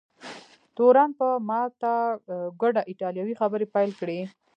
تورن په ماته ګوډه ایټالوي خبرې پیل کړې.